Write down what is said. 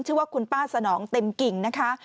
ชื่อว่าคุณป้าสนองเต็มกิ่งนะคะ